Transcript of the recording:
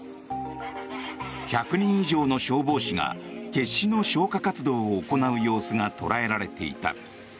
１００人以上の消防士が決死の消火活動を行う様子が捉えられていた。